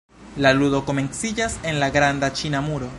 La ludo komenciĝas en la Granda Ĉina Muro.